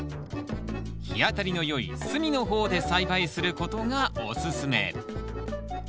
日当たりのよい隅の方で栽培することがおすすめ。